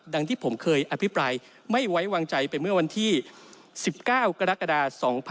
ที่ผมเคยอภิปรายไม่ไว้วางใจไปเมื่อวันที่๑๙กรกฎา๒๕๖๒